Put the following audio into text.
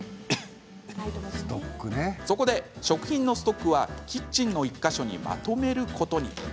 そこで食品のストックはキッチンの１か所にまとめることに。